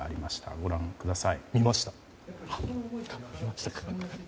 ご覧ください。